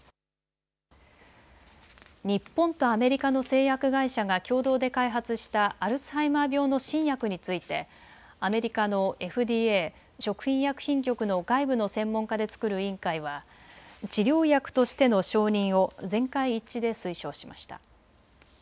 日本とアメリカの製薬会社が共同で開発したアルツハイマー病の新薬についてアメリカのＦＤＡ・食品医薬品局の外部の専門家で作る委員会は治療薬としての承認を全会一致で推奨しました。